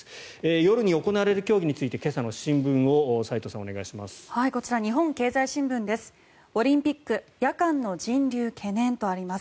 夜に行われる競技について今朝の新聞を斎藤さん、お願いします。